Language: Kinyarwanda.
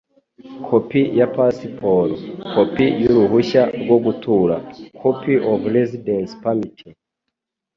Kopi ya Pasiporo, Kopi y'uruhushya rwo gutura (Copy of residence permit).